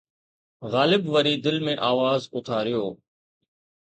غالب وري دل ۾ آواز اٿاريو